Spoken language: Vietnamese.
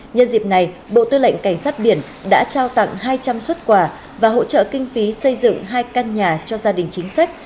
nhân dịp này bộ tư lệnh cảnh sát biển đã trao tặng hai trăm linh xuất quà và hỗ trợ kinh phí xây dựng hai căn nhà cho gia đình chính sách